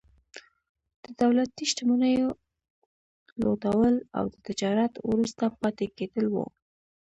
د دولتي شتمنیو لوټول او د تجارت وروسته پاتې کېدل وو.